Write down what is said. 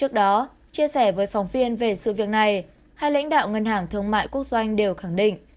trước đó chia sẻ với phóng viên về sự việc này hai lãnh đạo ngân hàng thương mại quốc doanh đều khẳng định